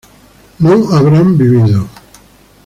no habrán vivido